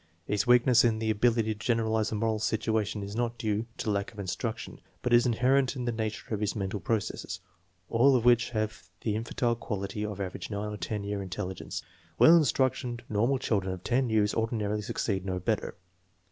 His weak ness in the ability to generalize a moral situation is not due to lack of instruction, but is inherent in the nature of his mental processes, all of which have the infantile quality of average 9 or 10 year intelligence. Well instructed normal children of 10 years ordinarily succeed no better.